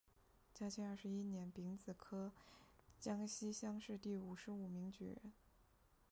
嘉庆二十一年丙子科江西乡试第五十五名举人。